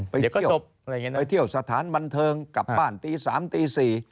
ไปเที่ยวสถานบันเทิงกลับบ้านตี๓ตี๔